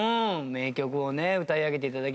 名曲をね歌い上げて頂きました。